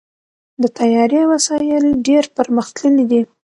د طیارې وسایل ډېر پرمختللي دي.